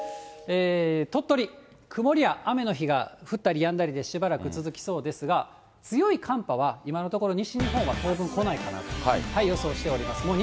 鳥取、曇りや雨の日が降ったりやんだりで、しばらく続きそうですが、強い寒波は、今のところ、西日本は当分来ないかなと予想しております。